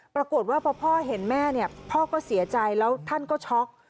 ปรากฏว่าพอพ่อเห็นแม่เนี่ยพ่อก็เสียใจแล้วท่านก็ช็อก